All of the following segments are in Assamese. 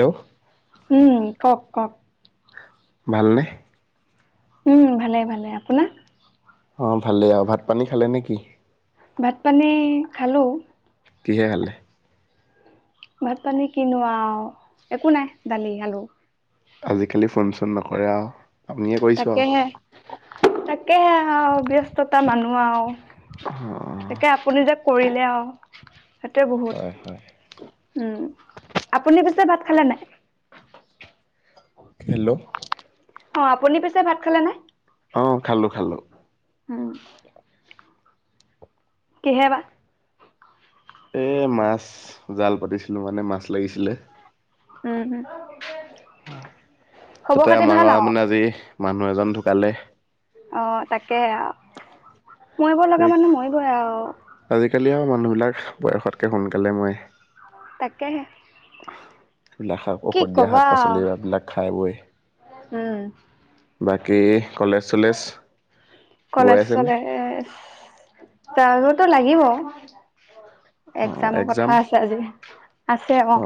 হেল্ল' উম কওক কওক ভালনে উম ভালে ভালে আপোনাৰ অ ভালেই আৰু ভাত পানী খালে নেকি ভাত পানী খালো কি গালে ভাত পানী কিনোৱা একো নাই দালি আলু আজিকালি ফোন চোন নকৰে আপুনিয়ে কৰিছো আৰু াকে আৰু ব্যস্ততা মানুহ আৰু অ তাকে আপুনি যে কৰিলে আও। হেটোৱে হয় হয় বহুত। উম। আপুনি পিছে ভাত খালেনে নাই? হেল্ল'। অ', আপুনি পিছে ভাত খালে নাই? অ', খালো খালো। উম। কিহে বা? এ মাছ। জাল পাতিছিলো মানে মাছ লাগিছিলে। উম, উম। খবৰ তাতে খাতি আমাৰ ভাল আও গাঁৱত মানে আজি মানুহ এজন ঢুকালে। অ', তাকে আ মৰিব লগা মানুহ মৰিবই আও। নুহবিলাক বয়সতক সোনকালে ময়ে। তাকেহে। [inaudible] নাখাও, কি ঔষধ দিয়া কবা আও শাক-পাচলি এইবিলাক খাই-বৈ উম, বাকী কলেজ-চলেজ গৈ আছানে? তাৰোতো লাগিব। অ একজামৰ এক্সাম কথা আছে আজি আছে, অ'।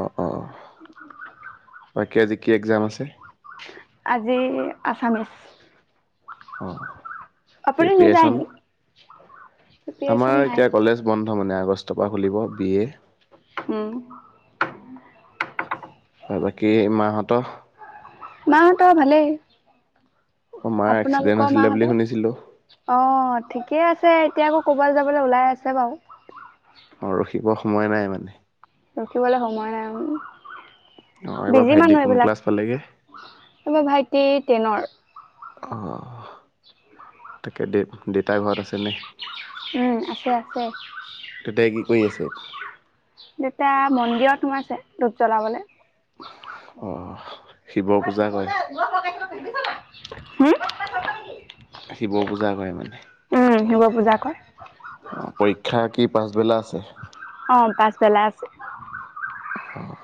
বাকী আজি কি একজাম আছে? আজি আছামিছ। অ', আপুনি নাযায় প্ৰিপিৰেচন, নি প্ৰিপেৰেচন আমাৰ নাই এতিয়া কলেজ বন্ধ মানে আগষ্টৰ পৰা খুলিব বি এ। উম বাকী মাহঁতৰ মাহঁতৰ ভালেই। মাৰ এক্সিডেণ্ট আপোনালোকৰ হৈছিলে বুলি মাহঁতৰ শুনিছিলোঁ। অ ঠিকে আছে, এতিয়া আকৌ ক'বালে যাবলৈ ওলাই আছে বাৰু। অ', ৰখিব সময় নাই মানে। ৰখিবলৈ সময় অ নাই এইবাৰ বিজি ভাইটি মানুহ কোন ক্লাছ এইবিলাক, পালেগে এইবাৰ ভাইটি টেনৰ। অ'। তাকে দে দেউতা ঘৰত আছেনে উম, আছে, আছে দেউতাই কি কৰি আছে দেতা মন্দিৰত‌ সোমাইছে। ধূপ জ্বলাবলে। অহ তোৰ যে [unintelligible] হম শিৱ পূজা কৰে মানে উম শিৱ পূজা কৰে অ পৰীক্ষা কি পাছবেলা আছে অ পাছ বেলা আছে। আহ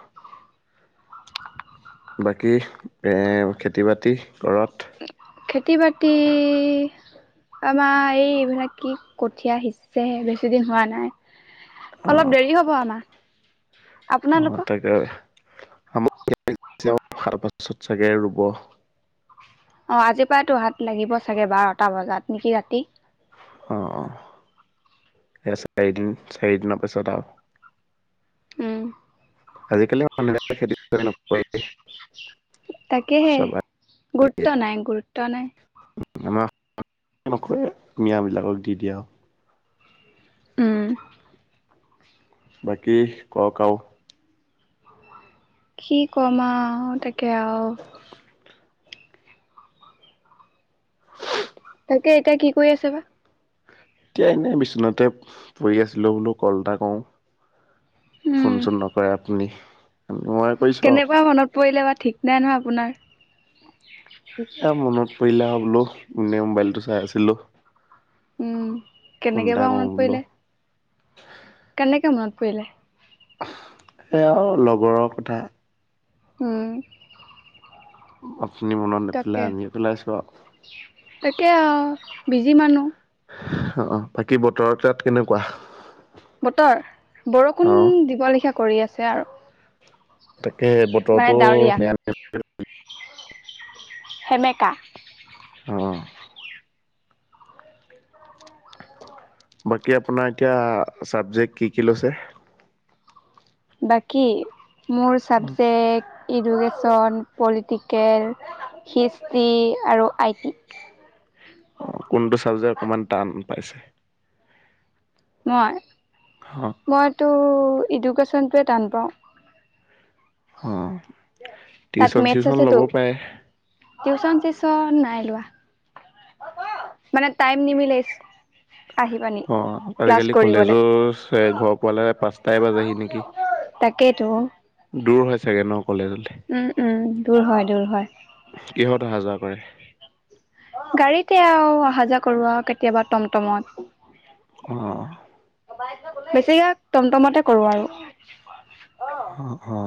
বাকী খেতি বাতি ঘৰত খেতি বাতি আমাৰ এই এইবিলাক কি কঠীয়া সিঁচেহে বেছি দিন হোৱা নাই। অ অলপ দেৰি হ'ব আমাৰ অ আপোনালোকৰ তাকে তি খাৰ পাছত চাগে ৰুব অ আজি পৰাই তো হাত লাগিব চাগে বাৰটা বজাত নেকি ৰাতি? অ অ এ চাৰি চাৰিদিনৰ পিছত আৰু উম আজিকালি মানুহে খেতি নপৰে তাকেহে চব গুৰুত্ব নাই গুৰুত্ব নাই আমাৰ নকৰে মিয়াবিলাকক দি দিয়ে উম বাকী ক কওক আৰু কি কমা আ অ তাকে আৰু [inaudible] তাকে এতিয়া কি কৰি আছে বা এতিয়া এনেই বিচনাতে বহি আছিলো বোলো কল এটা কওঁ ফোন উম চোন নকৰে আপুনি মই কৰিছোঁ কেনেকুৱা আৰু মনত পৰিলে বা ঠিক নাই নহয় আপোনাৰ এয়া মনত পৰিলা বোলো এনে মোবাইলটো চাই আছিলো। উম কেনেকৈ বা মনত বোলো পৰিলে কেনেকে মনত পৰিলে সেইয়া আৰু লগৰৰ কথা হম [inaudible] খিনি মনত নেপেলাই আমিয়ে পেলাইছো আৰু তাকে আৰু বিজি মানুহ অ অ বাকী বতৰ তাত কেনেকুৱা? বতৰ বৰষুণ অ দিব লিখা। কৰি আছে আৰু তাকে মানে বতৰটো ডাৱৰীয়া [unintelligible] সেমেকা। আহ। বাকী আপোনাৰ এতিয়া চাবজেক্ট কি কি লৈছে? বাকী? মোৰ চাবজেক্ট ইডুকেশন ন পলিটিকেল হিষ্ট্ৰী আৰু আইটি। অ' কোনটো চাবজেক্ট অকমান টান পাইছে? মই? অ' মইতো এডুকেশ্যনটোৱে টান পাওঁ। হ'। তাত মেথছ আছেতো, টিউচন নাই লোৱা মানে টাইম নিমিলেই। অ' আজিকালি কলেজৰ ঘৰ পোৱালৈ পাঁচটাই বাজহি নেকি? তাকেইতো দূৰ চাগে ন কলেজলে? উম উম। দূৰ হয় দূৰ হয়। কিহত অহা যোৱা কৰে? গাড়ীতে আৰু অহা যোৱা কৰো আৰু কেতিয়াবা টমটমত। অ' বেছিভাগ টমটমতে কৰোঁ আৰু। অ' অ'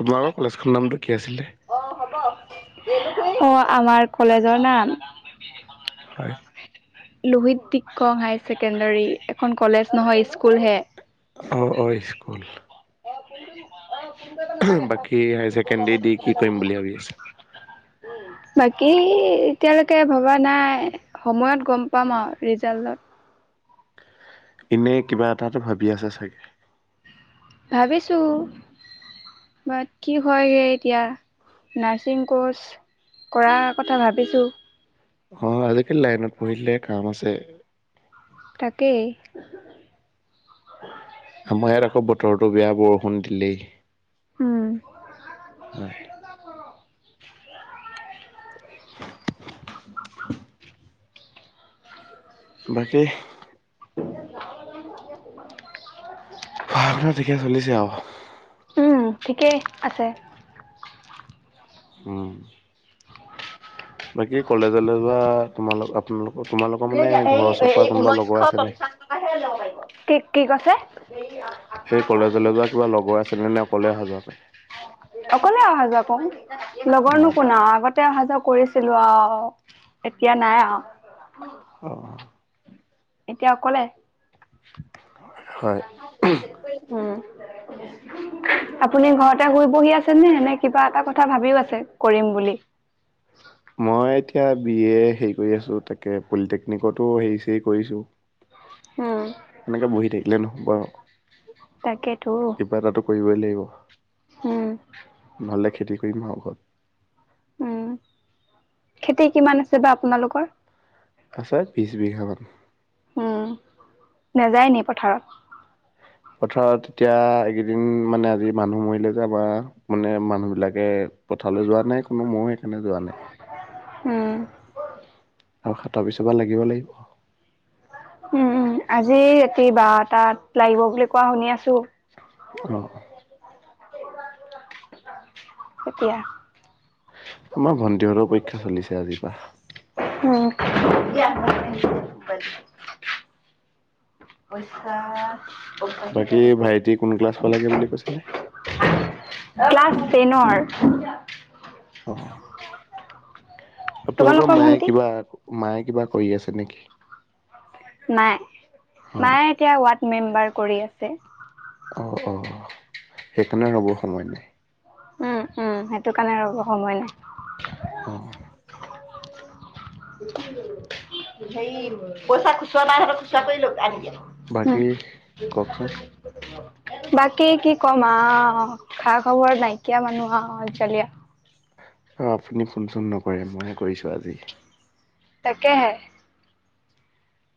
পোনালোকৰ কলেজ খনৰ নামটো কি আছিল? অ'। আমাৰ কলেজৰ নাম ম [unintelligible] হয় লোহিত [unintelligible] হায়াৰ ছেকেণ্ডাৰী এখন কলেজ নহয়, স্কুল হে। অ', অ', স্কুল। [inaudible] বাকী হায়াৰ চেকেণ্ডেৰী দি কি কৰিম বুলি ভাবি আছা। বাকী এতিয়ালৈকে ভবা নাই, সময়ত গম পাম আৰু ৰিজাল্টত। এনে কিবা এটাাত ভাবি আছে চাগে। ভাবিছোঁ, বাট কি হয় এতিয়া, নাৰ্ছিং ক'ৰ্ছ কৰাৰ কথা ভাবিছোঁ। অ', আজিকালি লাইনত পঢ়িলে কাম আছে। তাকেই। আমাৰ ইয়াত আকৌ বতৰটো বেয়া বৰষুণ দিলেই। উম হয়। [inaudible] বাকী? [unintelligible] ঠিকেই চলিছে আৰু। উম ঠিকেই আছে। উম। বাকী কলেজলে [unintelligible] তোমালোক [unintelligible] আপোনালোকক। [unintelligible] এই ঊনৈশ আছে নে? পঞ্চাছ টকা হে লব পাৰিব। কি, কি কৈছে? সেই কলেজলৈ যোৱা কিবা লগৰ আছে নে নাই, অকলে অহাযোৱা কৰা? অকলে [inaudible] লগৰনো কোন আ আগতে অহা কৰিছিলো। অ, এতিয়া নাই আৰু। অ'। এতিয়া অকলে। হয়। হম। আপুনি ঘৰতে শুই বহি আছে নে, এনে কিবা এটা কথা ভাবিও আছে কৰিম বুলি? মই এতিয়া বি এ, হেৰি কৰি আছো, তাকে পলিটেকনিকতো হেৰি চেৰী কৰিছো। উম। সেনেকে বহি থাকিলে নহব আৰু তাকেতো কিবা এটাতো কৰিবই লাগিব। [inaudible] উম [unintelligible] উম, খেতি কিমান আছে বা আপোনালোকৰ। আছে, বিশ বিঘা মান। উম, নেযায় নি পথাৰত? পথাৰত এতিয়া এইকেইদিন, মানে আজি মানুহ মৰিলে যে বা [unintelligible] মানে মানুহ বিলাকে পথাৰলৈ যোৱা নাই কোনো, মইও সেইকাৰণে যোৱা নাই। উম। আৰু তাৰ পিছৰ পৰা লাগিব লাগিব। উম উম আজি ৰাতি বাৰটাত লাগিব বুলি কোৱা শুনি আছো এতিয়া। মাৰ ভণ্টি তেহ'তৰ পৰীক্ষা চলিছে আজিৰ পৰা। উম। পইছা বাকী ভাইটি কোন ক্লাছ পালাগে বুলি কৈছিলে? ক্লাছ টে'নৰ অপোমালোকৰ তোমালোকৰ মায়ে ভন্টি কিবা মায়ে কিবা কৰি আছে নেকি? নাই। অ মায়ে এতিয়া াত মেম্বাৰ কৰি আছে অ অ সেইকাৰণে ৰ'বৰ সময় নাই উম উম সেইটো কাৰণে ৰব সময় নাই অ সেই পইচা খুচুা পাইহ খুচুৰাা কৰি ল আন দিয়া উম বাকী কওকচোন বাকী কি কম আহ খা খবৰ নাইকিয়া মানুহ আহ আজজালি অঁ আপুনি ফোন চোন নকৰে মইে কৰিছোঁ আজি তাকেে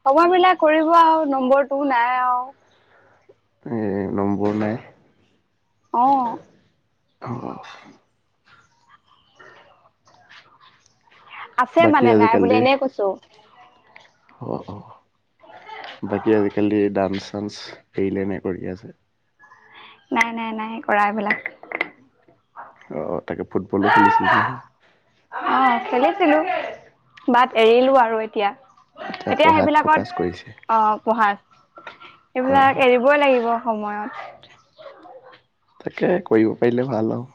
সময় মিলা কৰিব আৰু নম্বৰটো নাই আৰু এই নম্বৰ নাই আহ আহ আছে বাকী মানে নাই বুলি আজিকালি এনেই কৈছো অ অ বাকী আজিকালি ডান্স চান্স এৰিলে ন কৰি আছে নাই নাই নাই কৰা এইবিলাক অঁ তাকে ফুটবলো খেলিছিল নহয় অ চলিছিলো বাট এৰিলো আৰু এতিয়া এতিয়া পঢ়াত ফকাচ কৰিছে সেইবিলাকত অ পঢ়া হয় সেইবিলাক হয় এৰিবই লাগিব সময়ত তাকে কৰিব পাৰিলে ভাল আৰু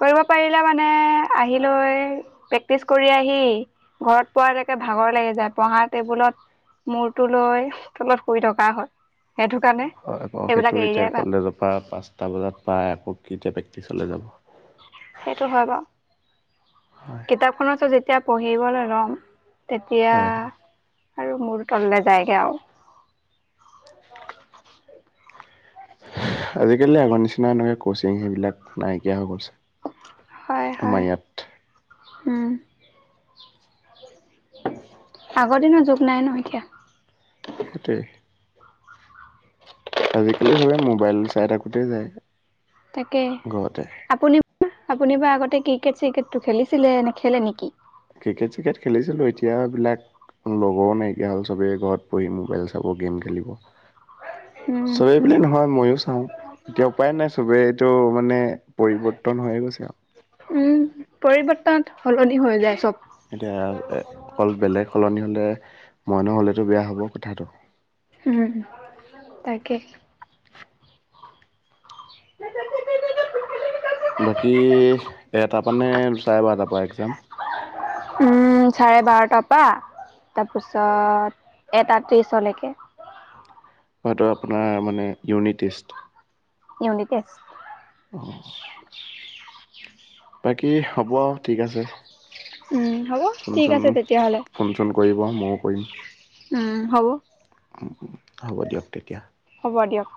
কৰিব পাৰিলে মানে আহিিলৈ প্ৰেক্টিচ কৰি আহি ঘৰত পোৱ যেকে ভাগৰ লাগি যায় পঢ়া টেবুলত মূৰটো লৈ তলত শুই থকা হয় সেইটো কাৰণে হয় সেইবিলাক সেইটো এৰি দিয়াই এতিয়া ভাল কলেজৰ পৰা পাঁচটা বজাত পাই আকৌ কি এতিয়া পিছলৈ যাব সেইটো হয় বাৰ হয় কিতাপখননৰৰত যেতিয়া পঢ়িবলৈ লম তেতিয়া হয় হয় আৰু মোৰ তললৈ যায়গে আৰু আজিকালি আগৰ নিচিনা এনেকা কচিং সেইবিলাক নাইকিয়া হৈ গ'লছে হয় আমাৰ হয় ইয়াত হম আগৰ দিনৰ যুগ নাই ন এতিয়া সেইট আজিকালি সবে মোবাইল চাই থাকোতেই যায় তাকে ঘৰতে আপুনি আপুনি বাাৰ আগতে ক্ৰিকেট চিকেটটো খেলিছিলে নে খেলে নেকি ক্ৰিকেট চিকেট খেলিছিলোঁ এতিয়াবিলাক লগৰো নাইকিয়া হ'ল চবেই ঘৰত বঢহি মোবাইল চাব গেম খেলিব উম চবেই ব নহয় ময়ো চাও এতিয়া উপায় নাই চবেই ত' মানে পৰিৱৰ্তন হৈয়ে গৈছে আৰু উম পৰিৱৰ্তন সলনি হৈ যায় চব এতিয়া অকল বেলেগ সলনি হ'লে মই নহলেতো বেয়া হব কথাটো উম তাকে [unintelligible] বাকী এটাৰ পানে চাৰে বাৰটাৰ পৰা এক্জাম উম চাৰে বাৰটাৰ পৰা তাৰপিছত এটা ত্ৰিশলৈকে হয় আপোনাৰ মানে ইউনিটেৰ্ত [unintelligible] অ বাকী হ'ব ঠিক আছে উম, হ'ব ঠিক ফোনচোন আছে তেতিয়াহ'লে ফোন চোন কৰিব ময়ও কৰিম উম, হ'ব হ'ব দিয়ক তেতিয়া হ'ব দিয়ক।